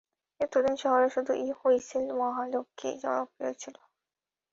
এতদিন শহরে শুধু হুইসেল মহালক্ষী জনপ্রিয় ছিলো।